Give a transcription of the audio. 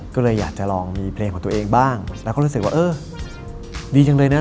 ก็เลยอยากจะลองมีเพลงของตัวเองบ้างแล้วก็รู้สึกว่าเออดีจังเลยนะ